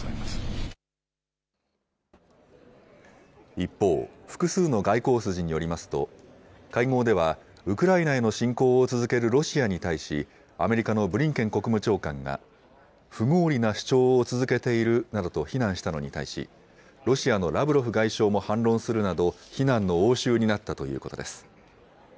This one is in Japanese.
一方、複数の外交筋によりますと、会合では、ウクライナへの侵攻を続けるロシアに対し、アメリカのブリンケン国務長官が、不合理な主張を続けているなどと非難したのに対し、ロシアのラブロフ外相も反論するなど、非難の応酬になったということです。